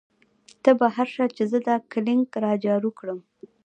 تۀ بهر شه چې زۀ دا کلینک را جارو کړم " ـ